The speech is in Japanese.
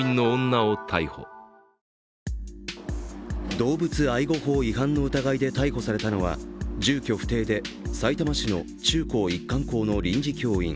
動物愛護法違反の疑いで逮捕されたのは住居不定で、さいたま市の中高一貫校の臨時教員